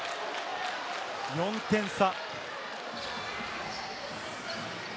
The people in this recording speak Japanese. ４点差。